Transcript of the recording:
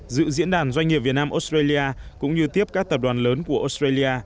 dự diễn đàn doanh nghiệp việt nam australia cũng như tiếp các tập đoàn lớn của australia